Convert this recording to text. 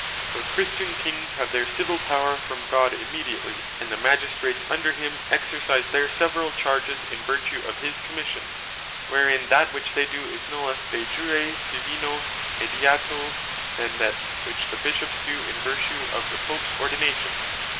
For Christian Kings have their Civill Power from God immediately; and the Magistrates under him exercise their severall charges in vertue of his Commission; wherein that which they doe, is no lesse De Jure Divino Mediato, than that which the Bishops doe, in vertue of the Popes Ordination.